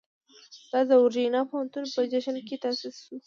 دا د ورجینیا پوهنتون په جشن کې تاسیس شو.